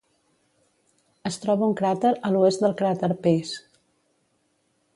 Es troba un cràter a l'oest del cràter Pease.